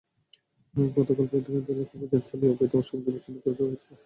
গতকাল বৈদ্যেরবাজার এলাকায় অভিযান চালিয়ে অবৈধ সংযোগ বিচ্ছিন্ন করে দেওয়া হয়েছে।